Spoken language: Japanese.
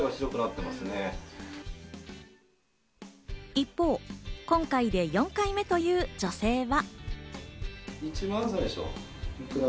一方、今回で４回目という女性は。